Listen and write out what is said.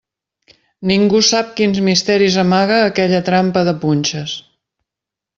Ningú sap quins misteris amaga aquella trampa de punxes.